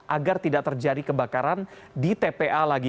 agar tidak terjadi kebakaran di tpa lagi